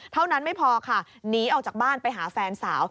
เท่านั้นไม่พอค่ะหนีออกจากบ้านไปหาแฟนสาว